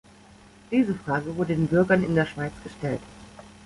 Diese Frage wurde den Bürgern der Schweiz gestellt.